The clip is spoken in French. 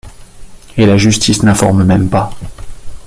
Et la justice n’informe même pas.